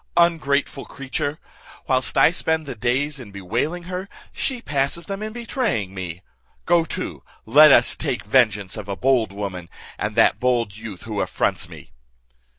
Ungrateful creature! whilst I spend the days in bewailing her, she passes them in betraying me. Go to, let us take vengeance of a bold woman, and that bold youth who affronts me."